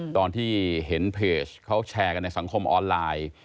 ตอนที่เห็นเพจเขาแชร์กันในสังคมออนไลน์